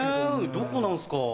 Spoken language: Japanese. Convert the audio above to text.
どこなんすか？